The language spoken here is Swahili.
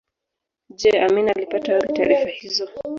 Je Amin alipata wapi taarifa hizo